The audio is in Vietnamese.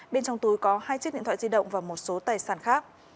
bên trong túi có hai chiếc điện thoại di động và một số tài sản khác